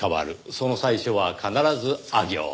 その最初は必ずあ行。